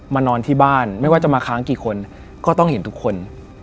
นอนที่บ้านไม่ว่าจะมาค้างกี่คนก็ต้องเห็นทุกคน